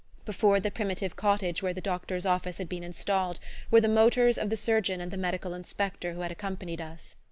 Before the primitive cottage where the doctor's office had been installed were the motors of the surgeon and the medical inspector who had accompanied us.